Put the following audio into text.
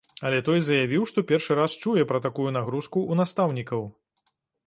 Але той заявіў, што першы раз чуе пра такую нагрузку ў настаўнікаў.